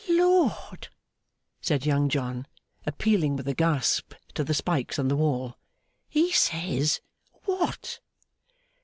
'Lord,' said Young John, appealing with a gasp to the spikes on the wall. 'He says, What!